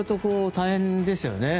大変ですね。